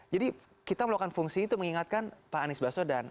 jadi kita melakukan fungsi itu mengingatkan pak anies basodan